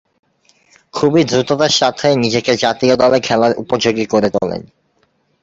খুবই দ্রুততার সাথে নিজেকে জাতীয় দলে খেলার উপযোগী করে তোলেন।